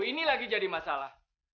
ini lagi jadi masalah